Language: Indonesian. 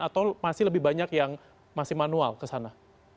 atau masih lebih banyak yang masih manual ke sana